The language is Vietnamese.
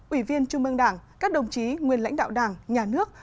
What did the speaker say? ủy viên trung mương đảng các đồng chí nguyên lãnh đạo đảng nhà nước